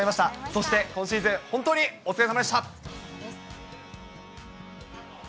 そして今シーズン、本当にお疲れさまでした。